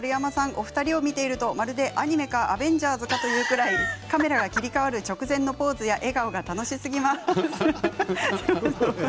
お二人を見ているとまるでアニメか「アベンジャーズ」かっていうぐらいカメラが切り替わる直前のポーズや笑顔が気になります。